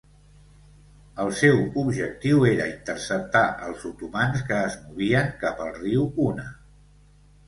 El seu objectiu era interceptar els otomans que es movien cap al riu Una.